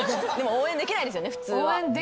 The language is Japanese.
応援できないですよね。